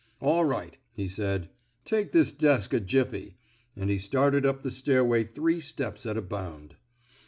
All right,'* he said, take this desk a jiffy; '' and he started up the stairway three steps at a bound.